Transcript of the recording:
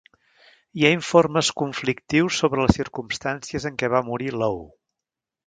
Hi ha informes conflictius sobre les circumstàncies en què va morir Low.